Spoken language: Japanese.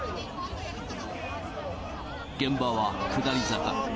現場は下り坂。